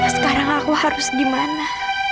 sekarang aku harus gimana